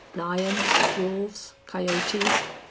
Lions, wolves, coyotes.